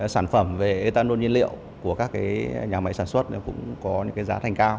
sản phẩm về ethanol nhiên liệu của các nhà máy sản xuất cũng có giá thành cao